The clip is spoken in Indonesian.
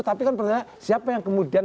tapi kan pertanyaan siapa yang kemudian